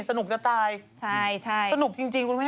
สนุกจะตายใช่สนุกจริงคุณแม่